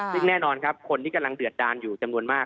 ซึ่งแน่นอนครับคนที่กำลังเดือดดานอยู่จำนวนมาก